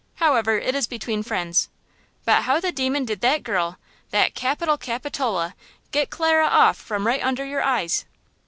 However, it is between friends. But how the demon did that girl, that capital Capitola, get Clara off from right under your eyes?"